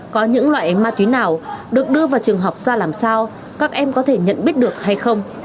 có những loại ma túy nào được đưa vào trường học ra làm sao các em có thể nhận biết được hay không